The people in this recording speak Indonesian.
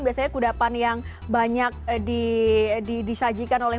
biasanya kudapan yang banyak disajikan oleh masyarakat yang lainnya ya